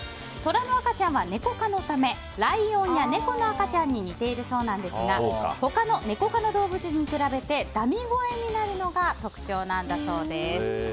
トラの赤ちゃんはネコ科のためライオンや猫の赤ちゃんに似ているそうなんですが他のネコ科の動物に比べてダミ声になるのが特徴なんだそうです。